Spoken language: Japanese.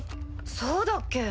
そうだっけ？